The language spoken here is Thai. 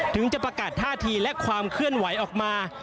ถึงจะประกาศท่าทีและความเคลื่อนไหวออกมา